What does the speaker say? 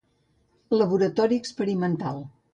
Laboratori experimental.